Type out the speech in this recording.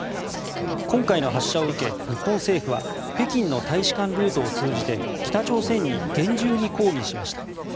今回の発射を受け、日本政府は北京の大使館ルートを通じて北朝鮮に厳重に抗議しました。